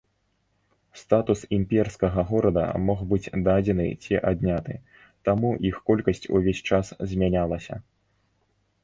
Статус імперскага горада мог быць дадзены ці адняты, таму іх колькасць увесь час змянялася.